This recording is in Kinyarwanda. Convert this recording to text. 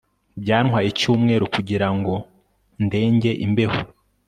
Byantwaye icyumweru kugirango ndenge imbeho